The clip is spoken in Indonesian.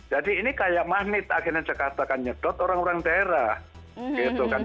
jadi ini kayak magnet akhirnya jakarta kan nyedot orang orang daerah gitu kan